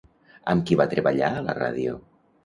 Amb qui va treballar a la ràdio?